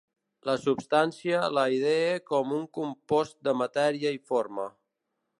La substància la idee com un compost de matèria i forma.